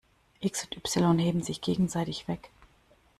x und y heben sich gegenseitig weg.